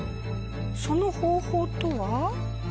その方法とは？